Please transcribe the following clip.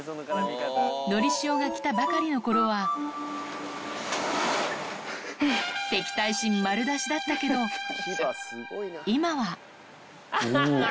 のりしおが来たばかりのころは、敵対心丸出しだったけど、今は。